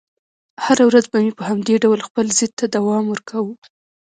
هره ورځ به مې په همدې ډول خپل ضد ته دوام ورکاوه.